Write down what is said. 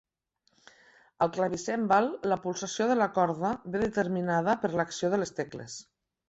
Al clavicèmbal la pulsació de la corda ve determinada per l'acció de les tecles.